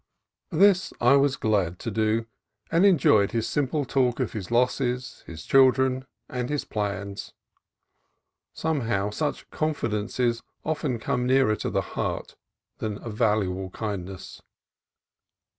This I was glad to do, and enjoyed his sim ple talk of his losses, his children, and his plans. Somehow, such confidences often come nearer to the heart than a valuable kindness.